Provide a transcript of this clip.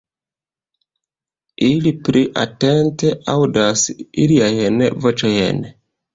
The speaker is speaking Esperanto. Ili pli atente aŭdas iliajn voĉojn.